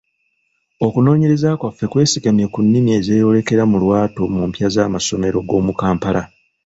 Okunoonyereza kwaffe kwesigamye ku nnimi ezeeyolekera mu lwatu mu mpya z'amasomero g'omu Kampala.